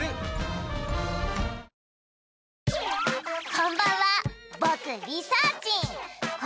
こんばんは僕リサーちん